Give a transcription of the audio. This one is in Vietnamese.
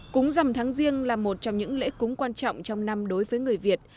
cúng rằm tháng riêng là một trong những lễ cúng quan trọng trong năm đối với người việt